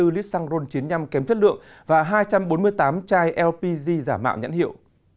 một mươi một một trăm bốn mươi bốn lít xăng rôn chiến nhăm kém chất lượng và hai trăm bốn mươi tám chai lpg giả mạo nhãn hiệu